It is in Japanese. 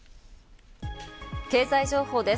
経済情報です。